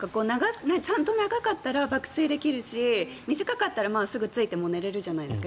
ちゃんと長かったら爆睡できるし短かったら、すぐ着いて寝れるじゃないですか。